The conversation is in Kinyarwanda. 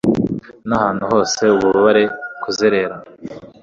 nahantu hose ububabare kuzerera